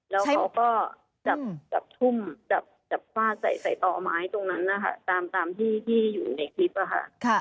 แล้วเขาก็จับทุ่มจับฟาดใส่ต่อไม้ตรงนั้นนะคะตามที่อยู่ในคลิปอะค่ะ